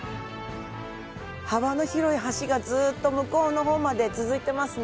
幅の広い橋がずっと向こうの方まで続いてますね。